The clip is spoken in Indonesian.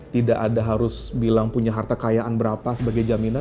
tidak ada harus bilang punya harta kayaan berapa sebagai jaminan